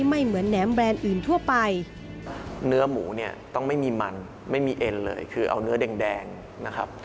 คือเอาเนื้อแดงนะครับ